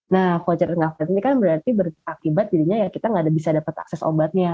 nah vouchernya nggak valid ini kan berarti berakibat jadinya kita nggak bisa dapat akses obatnya